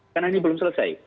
karena ini belum selesai